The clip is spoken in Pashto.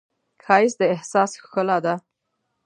ښایست د احساس ښکلا ده